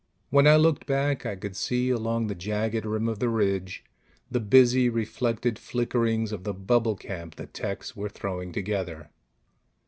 When I looked back, I could see, along the jagged rim of the ridge, the busy reflected flickerings of the bubble camp the techs were throwing together.